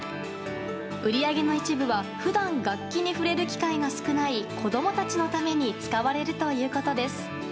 売り上げの一部は普段、楽器に触れる機会が少ない子供たちのために使われるということです。